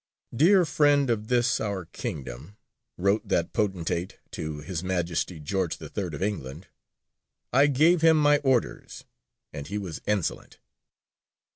"Dear friend of this our kingdom," wrote that potentate to H. M. George III. of England, "I gave him my orders, and he was insolent!"